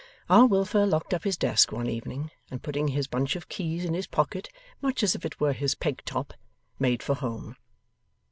R. Wilfer locked up his desk one evening, and, putting his bunch of keys in his pocket much as if it were his peg top, made for home.